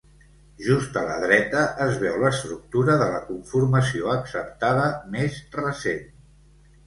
Just a la dreta es veu l'estructura de la conformació acceptada més recent.